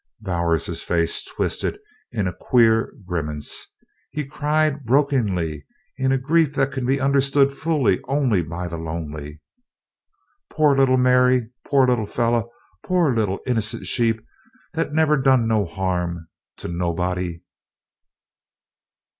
Bowers's face twisted in a queer grimace. He cried brokenly in a grief that can be understood fully only by the lonely: "Pore little Mary! Pore little feller! Pore little innercent sheep that never done no harm to nobody!"